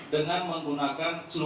dengan menggunakan celurit